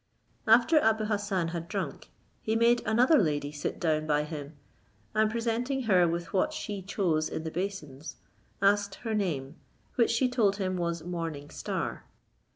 After Abou Hassan had drunk, he made another lady sit down by him, and presenting her with what she chose in the basins, asked her name, which she told him was Morning Star.